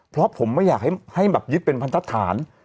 เพราะผมไม่อยากให้แบบยึดเป็นพันธฐาน